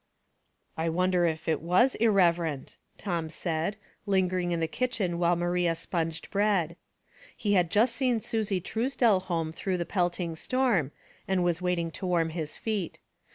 '* I wonder if it was irreverent?" Tom said, lingering in the kitchen while Maria sponged bread. He had just seen Susie Truesdell home through the pelting storm, and was waiting to warm his feet.